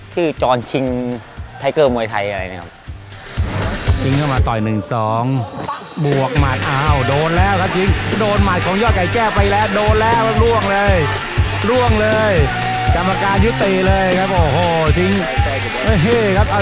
ที่จรชิงไทเกอร์มวยไทยอะไรอย่างนี้ครับ